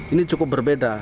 ini cukup berbeda